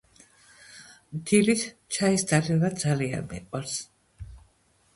დილით ჩაის დალევა ძალიან მიყვარს.